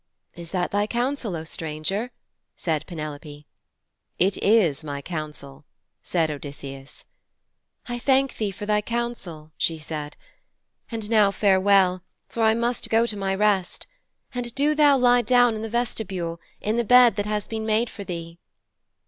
'Is that thy counsel, O stranger?' said Penelope. 'It is my counsel,' said Odysseus. 'I thank thee for thy counsel,' she said. 'And now farewell, for I must go to my rest. And do thou lie down in the vestibule, in the bed that has been made for thee.'